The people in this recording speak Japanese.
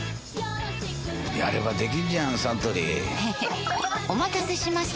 やればできんじゃんサントリーへへっお待たせしました！